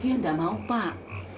dia tidak mau pak